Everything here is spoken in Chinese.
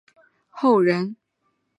张之洞后人。